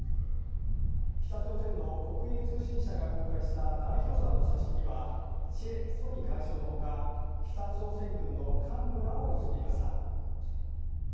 北朝鮮の国営通信社が公開した代表団の写真には、チェ・ソニ外相のほか、北朝鮮軍の幹部らも写っていました。